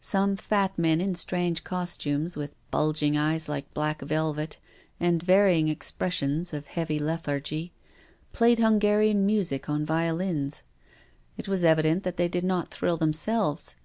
Some fat men in strange costumes, with bulging eyes like black velvet, and varying expressions of heavy lethargy, played Hungarian music on vio lins. It was evident that they did not thrill them selves.